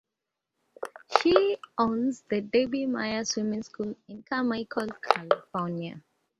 She owns the Debbie Meyer Swim School in Carmichael, California.